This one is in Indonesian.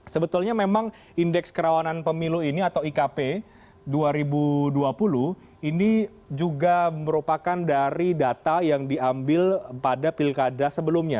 sebetulnya memang indeks kerawanan pemilu ini atau ikp dua ribu dua puluh ini juga merupakan dari data yang diambil pada pilkada sebelumnya